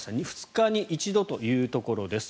２日に一度というところです。